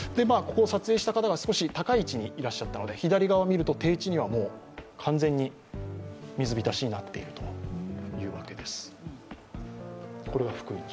撮影した方が少し高い位置にいらっしゃったので左側を見ると低地はもう完全に水浸しになっているというわけでは。